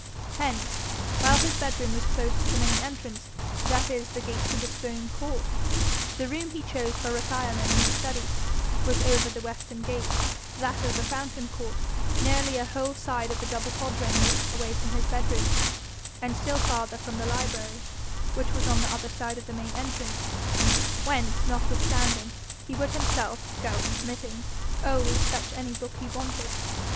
Hence, while his bedroom was close to the main entrance, that is the gate to the stone court, the room he chose for retirement and study was over the western gate, that of the fountain court, nearly a whole side of the double quadrangle away from his bedroom, and still farther from the library, which was on the other side of the main entrance whence, notwithstanding, he would himself, gout permitting, always fetch any book he wanted.